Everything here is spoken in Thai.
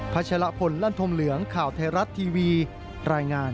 ชะละพลลั่นธมเหลืองข่าวไทยรัฐทีวีรายงาน